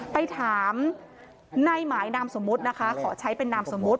ไปถามในหมายนามสมมุตินะคะขอใช้เป็นนามสมมุติ